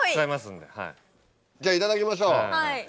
じゃあいただきましょう。はい。